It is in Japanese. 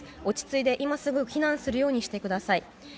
落ち着いて今すぐ避難するようにしてください。